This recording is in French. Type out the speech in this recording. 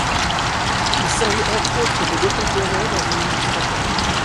Il servit entre autres de Lieutenant-colonel dans une milice locale.